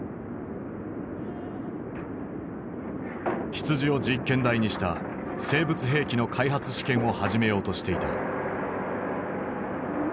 羊を実験台にした生物兵器の開発試験を始めようとしていた。